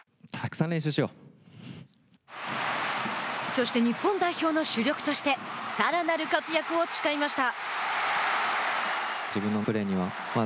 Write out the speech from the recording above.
そして、日本代表の主力としてさらなる活躍を誓いました。